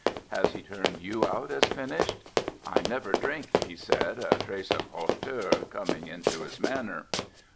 "Has he turned you out as finished?" "I never drink," he said, a trace of hauteur coming into his manner.